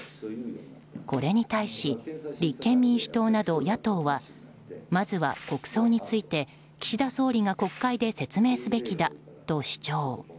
これに対し立憲民主党など野党はまずは国葬について岸田総理が国会で説明すべきだと主張。